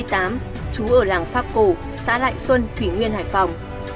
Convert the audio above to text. trú ở làng pháp cổ xã lại xuân thủy nguyên hải phòng